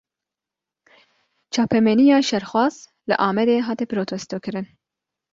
Çapemeniya şerxwaz, li Amedê hate protestokirin